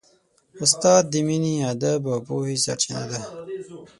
استاد د مینې، ادب او پوهې سرچینه ده.